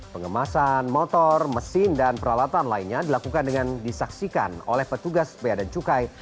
pengemasan motor mesin dan peralatan lainnya dilakukan dengan disaksikan oleh petugas bea dan cukai